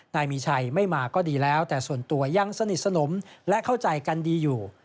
นายมีชัยไม่มาก็ดีแล้วแต่ส่วนตัวยังสนิทสนมและเข้าใจกันดีอยู่